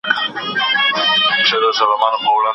د هغه په دوه چنده عمر کي نه سي لیکلای.